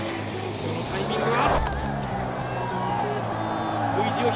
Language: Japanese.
そのタイミングは⁉